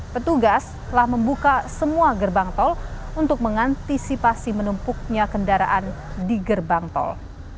petugas telah membuka semua gerbang tol untuk mengantisipasi menumpuknya kendaraan di gerbang tol